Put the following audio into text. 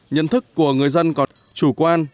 nhân thức của người dân còn chủ quan